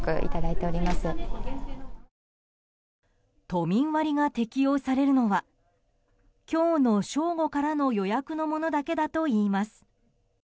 都民割が適用されるのは今日の正午からの予約のものだけだといいます。